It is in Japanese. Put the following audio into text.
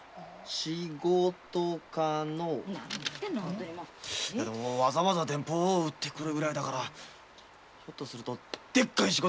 でもわざわざ電報を打ってくるぐらいだからひょっとするとでっかい仕事かもしれんのう。